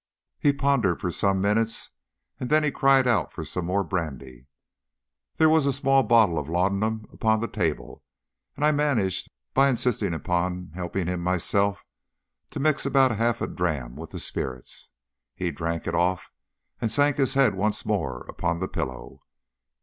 He pondered for some minutes, and then he cried out for some more brandy. There was a small bottle of laudanum upon the table, and I managed, by insisting upon helping him myself, to mix about half a drachm with the spirits. He drank it off, and sank his head once more upon the pillow.